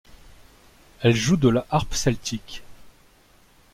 Elle joue de la harpe celtique.